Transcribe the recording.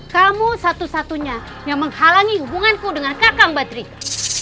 kamu satu satunya yang menghalangi hubunganku dengan kakak mbak drika